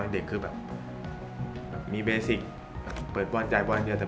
ใช่พอฟุตบอลมาหาเราอยู่นนั้น